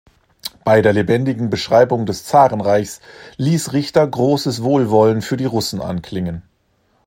Bei der lebendigen Beschreibung des Zarenreichs ließ Richter großes Wohlwollen für die Russen anklingen.